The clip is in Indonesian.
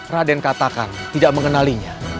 raden katakan tidak mengenalinya